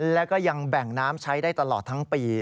แล้วก็ยังแบ่งน้ำใช้ได้ตลอดทั้งปี